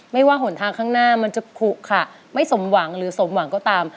ว่าหนทางข้างหน้ามันจะขุค่ะไม่สมหวังหรือสมหวังก็ตาม